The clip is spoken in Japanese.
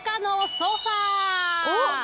おっ！